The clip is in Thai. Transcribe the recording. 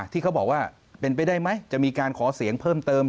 ที่เขาบอกว่าเป็นไปได้ไหมจะมีการขอเสียงเพิ่มเติม